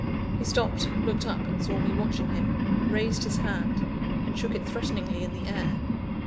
He stopped looked up and saw me watching him raised his hand and shook it threateningly in the air.